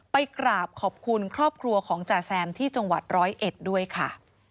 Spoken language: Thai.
ไปกราบขอบคุณครอบครัวของจ่าแซมที่จังหวัดร้อยเอ็ดด้วยค่ะ